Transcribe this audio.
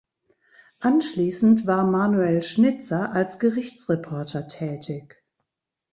Anschließend war Manuel Schnitzer als Gerichtsreporter tätig.